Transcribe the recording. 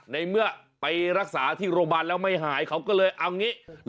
ในเมื่อไปรักษาที่โรงพยาบาลแล้วไม่หายเขาก็เลยเอางี้